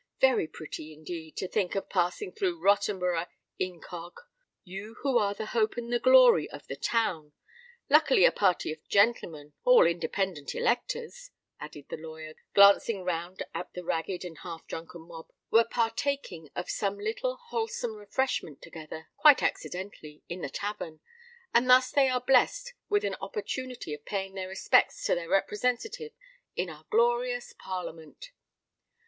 Very pretty, indeed, to think of passing through Rottenborough incog.,—you who are the hope and the glory of the town! Luckily a party of gentlemen—all independent electors," added the lawyer, glancing round at the ragged and half drunken mob, "were partaking of some little wholesome refreshment together—quite accidentally—in the tavern; and thus they are blessed with an opportunity of paying their respects to their representative in our glorious Parliament!"